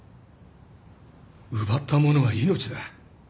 奪ったものは命だ